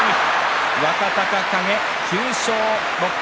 若隆景９勝６敗。